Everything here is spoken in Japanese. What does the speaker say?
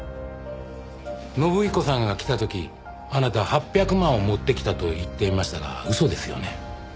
信彦さんが来た時あなた８００万を持ってきたと言っていましたが嘘ですよね？